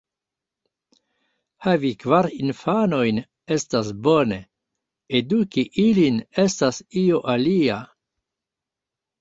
Havi kvar infanojn estas bone; eduki ilin estas io alia.